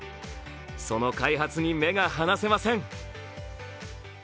その開発に目が離せません。